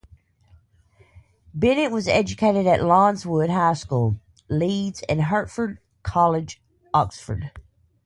Bennett was educated at Lawnswood High School, Leeds, and Hertford College, Oxford.